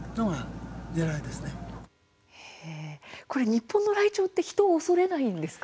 日本のライチョウは人を恐れないんですか。